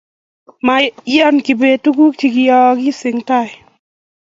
Maiyan kibet tuguk chegiyoogiis eng tai